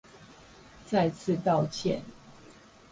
再次道歉